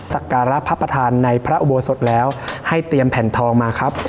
สักการะพระประธานในพระอุโบสถแล้วให้เตรียมแผ่นทองมาครับ